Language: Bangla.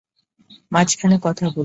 মাঝখানে কথা বলো না।